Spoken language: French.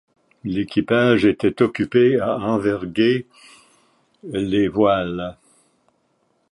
L'équipage était occupé à enverguer les voiles.